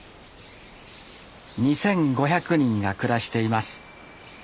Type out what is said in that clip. ２，５００人が暮らしています。